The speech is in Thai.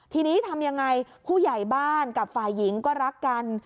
ทีนี้ทำยังไงผู้ใหญ่บ้านกับฝ่ายหญิงก็รักกัน